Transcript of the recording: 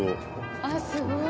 あっすごい。